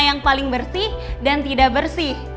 yang paling bersih dan tidak bersih